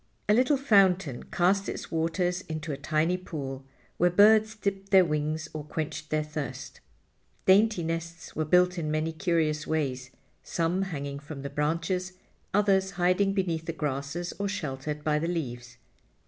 A little fountain cast its waters into a tiny pool, where birds dipped their wings or quenched their thirst. Dainty nests were built in many curious ways, some hanging from the branches, others hiding beneath the grasses or sheltered by the leaves.